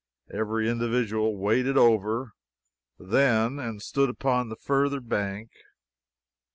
Every individual waded over, then, and stood upon the further bank.